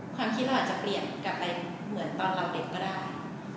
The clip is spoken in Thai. ความคิดเราอาจจะเปลี่ยนกลับไปเหมือนตอนเราเด็กก็ได้